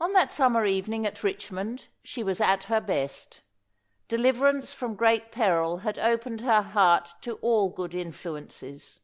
On that summer evening at Richmond she was at her best. Deliverance from great peril had opened her heart to all good influences.